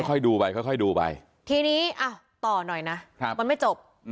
ค่อยดูไปค่อยดูไปทีนี้ต่อหน่อยนะมันไม่จบ